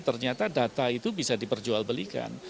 ternyata data itu bisa diperjualbelikan